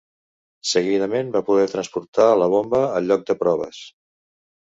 Seguidament, va poder transportar la bomba al lloc de proves.